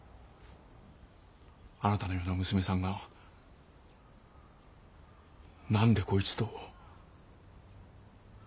あなたのような娘さんが何でこいつと？